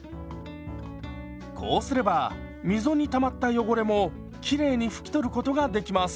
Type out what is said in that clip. こうすれば溝にたまった汚れもきれいに拭き取ることができます。